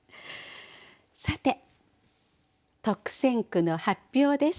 さて特選句の発表です。